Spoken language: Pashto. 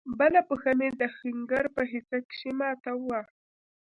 بله پښه مې د ښنگر په حصه کښې ماته وه.